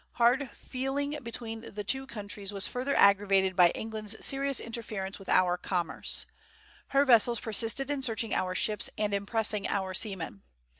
Hard feeling between the two countries was further aggravated by England's serious interference with our commerce. Her vessels persisted in searching our ships and impressing our seamen.